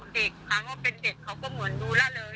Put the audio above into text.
เด็กครั้งว่าเป็นเด็กเขาก็เหมือนดูแล้วเลย